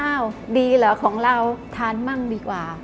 ดีเหรอของเราทานมั่งดีกว่า